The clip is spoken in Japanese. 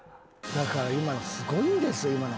だからすごいんですよ。